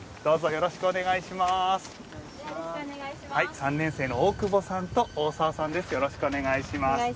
よろしくお願いします。